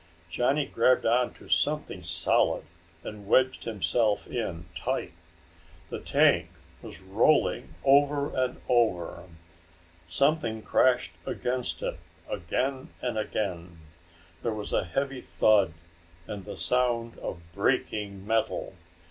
Johnny grabbed on to something solid and wedged himself in tight. The tank was rolling over and over. Something crashed against it again and again. There was a heavy thud and the sound of breaking metal.